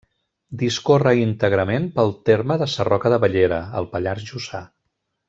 Discorre íntegrament pel terme de Sarroca de Bellera, al Pallars Jussà.